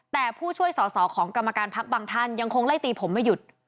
แต่ผู้ช่วยสอสอของกรรมการพักบางท่านยังคงไล่ตีผมไม่หยุด